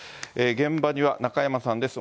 現場には中山さんです。